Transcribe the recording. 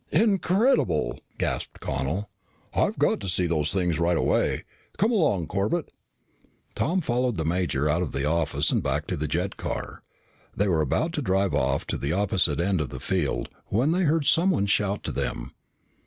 "Incredible," gasped Connel. "I've got to see those things right away. Come along, Corbett." Tom followed the major out of the office and back to the jet car. They were about to drive off to the opposite end of the field when they heard someone shout to them.